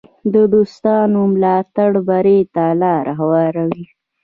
د دوستانو ملاتړ بری ته لار هواروي.